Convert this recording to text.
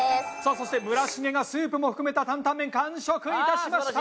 そして村重がスープも含タンタン麺完食いたしました。